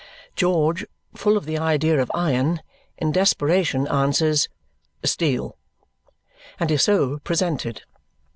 George, full of the idea of iron, in desperation answers "Steel," and is so presented.